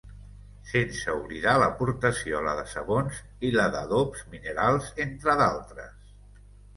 Sense oblidar l'aportació a la de sabons i la d'adobs minerals, entre d'altres.